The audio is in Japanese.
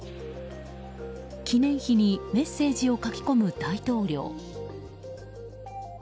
記念碑にメッセージを書き込む大統領。